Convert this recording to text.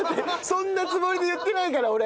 そんなつもりで言ってないから俺！